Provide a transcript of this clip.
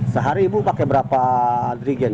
sehari ibu pakai berapa drigen